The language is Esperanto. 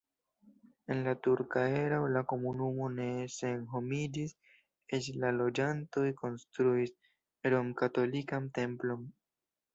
En la turka erao la komunumo ne senhomiĝis, eĉ la loĝantoj konstruis romkatolikan templon.